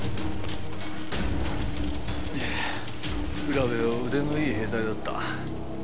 占部は腕のいい兵隊だった。